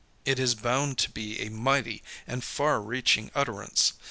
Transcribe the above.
It is bound to be a mighty and far reaching utterance.